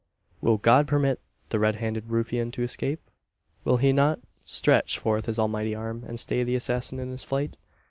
Will God permit the red handed ruffian to escape? Will He not stretch forth His almighty arm, and stay the assassin in his flight?